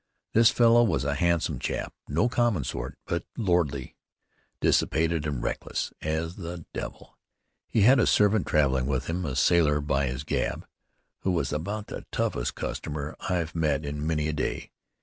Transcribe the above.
This fellow was a handsome chap, no common sort, but lordly, dissipated and reckless as the devil. He had a servant traveling with him, a sailor, by his gab, who was about the toughest customer I've met in many a day.